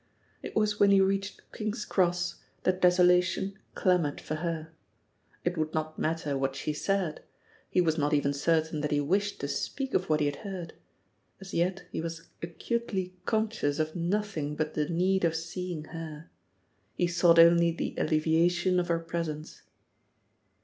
It was when he reached King^s Cross that desolation clamoured for her. It would not mat ter what she said; he was not even certain that he wished to speak of what he had heard. As yet he was acutely conscious of nothing but the need of seeing her — ^he sought only the alleviation of her presence.